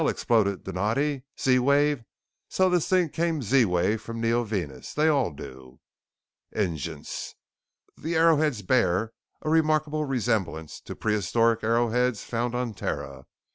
exploded Donatti. "Z wave! So this thing came Z wave from Neovenus. They all do!" " igence. The arrowheads bear a remarkable resemblance to prehistoric arrowheads found on Terra.